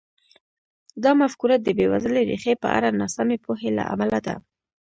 دا مفکوره د بېوزلۍ ریښې په اړه ناسمې پوهې له امله ده.